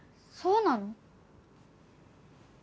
そうなの？